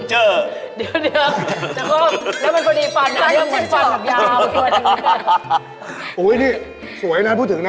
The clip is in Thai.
โอ้โหนี่สวยนะพูดถึงนะ